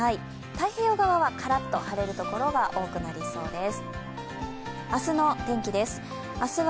太平洋側はカラッと晴れる所が多くなりそうです。